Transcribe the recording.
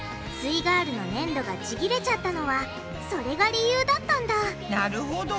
イガールのねんどがちぎれちゃったのはそれが理由だったんだなるほど！